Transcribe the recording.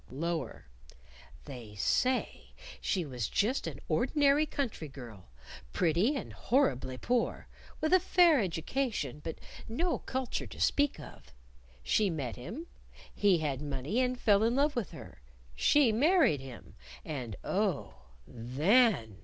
Lower "They say she was just an ordinary country girl, pretty, and horribly poor, with a fair education, but no culture to speak of. She met him; he had money and fell in love with her; she married him. And, oh, _then!